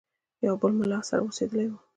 یو بل مُلا سره اوسېدلی وي.